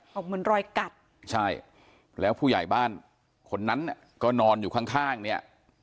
บอกเหมือนรอยกัดใช่แล้วผู้ใหญ่บ้านคนนั้นน่ะก็นอนอยู่ข้างข้างเนี่ย